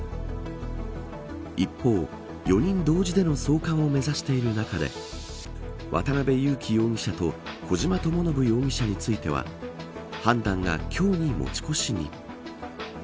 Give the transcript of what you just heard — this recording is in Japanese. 一方、４人同時での送還を目指していた中で渡辺優樹容疑者と小島智信容疑者については判断が今日に持ち越しに。